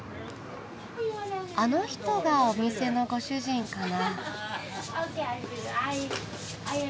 あの人がお店のご主人かな？